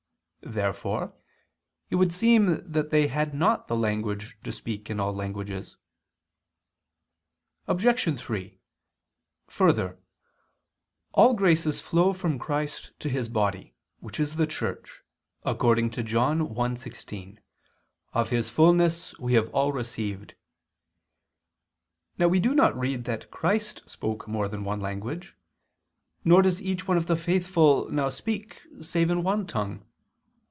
Therefore it would seem that they had not the knowledge to speak in all languages. Obj. 3: Further, all graces flow from Christ to His body, which is the Church, according to John 1:16, "Of His fullness we all have received." Now we do not read that Christ spoke more than one language, nor does each one of the faithful now speak save in one tongue.